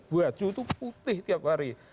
baju itu putih tiap hari